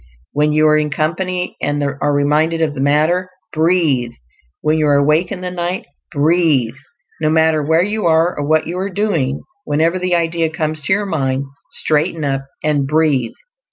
When you are in company, and are reminded of the matter, BREATHE. When you are awake in the night, BREATHE. No matter where you are or what you are doing, whenever the idea comes to your mind, straighten up and BREATHE.